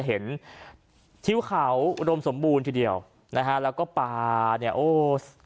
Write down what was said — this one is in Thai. เห็นทิวเขาอุดมสมบูรณ์ทีเดียวนะฮะแล้วก็ป่าเนี่ยโอ้